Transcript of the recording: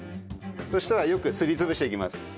そしたらよくすり潰していきます。